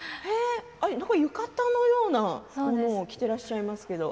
浴衣のようなものを着ていらっしゃいますけれど。